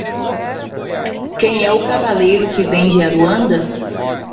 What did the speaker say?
Quem é o cavaleiro que vem de Aruanda?